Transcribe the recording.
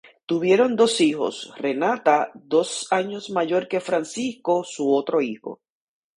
Tuvieron dos hijos; Renata, dos años mayor que Francisco, su otro hijo.